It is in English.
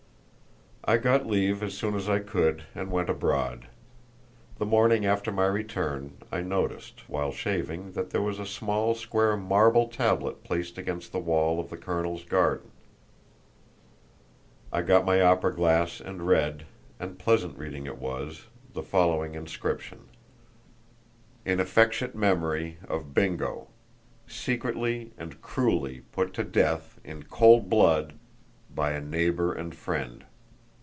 I got leave as soon as I could, and went abroad. The morning after my return I noticed, while shaving, that there was a small square marble tablet placed against the wall of the colonel's garden. I got my opera glass and read—and pleasant reading it was—the following inscription: IN AFFECTIONATE MEMORY OF B I N G O, SECRETLY AND CRUELLY PUT TO DEATH, IN COLD BLOOD, BY A NEIGHBOUR AND FRIEND.